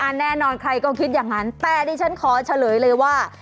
แน่นอนใครก็คิดอย่างนั้นแต่ดิฉันขอเฉลยเลยว่า